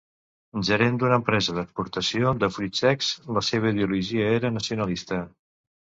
Gerent d'una empresa d'exportació de fruits secs, la seva ideologia era nacionalista.